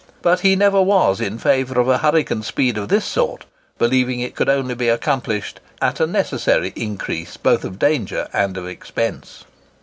But he never was in favour of a hurricane speed of this sort, believing it could only be accomplished at an unnecessary increase both of danger and expense.